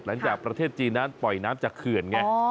หลังจากประเทศจีนนั้นปล่อยน้ำจากเขื่อนไง